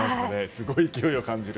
すごい勢いを感じる。